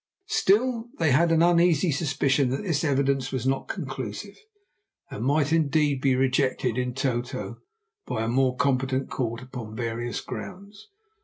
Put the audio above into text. Still, they had an uneasy suspicion that this evidence was not conclusive, and might indeed be rejected in toto by a more competent court upon various grounds.